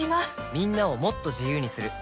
みんなをもっと自由にする「三菱冷蔵庫」